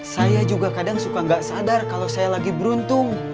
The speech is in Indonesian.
saya juga kadang suka gak sadar kalau saya lagi beruntung